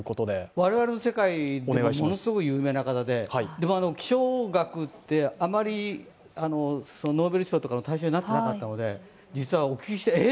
我々の世界でものすごい有名な方で、気象学ってあまりノーベル賞とかの対象になっていなかったので、お聞きしてえっ？！